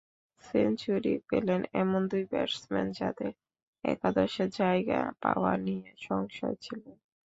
Century পেলেন এমন দুই ব্যাটসম্যান যাঁদের একাদশে জায়গা পাওয়া নিয়েই সংশয় ছিল।